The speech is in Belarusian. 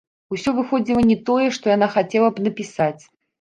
Усё выходзіла не тое, што яна хацела б напісаць.